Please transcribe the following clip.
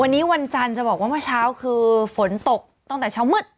วันนี้วันจันทร์จะบอกว่าเมื่อเช้าคือฝนตกตั้งแต่เช้ามืด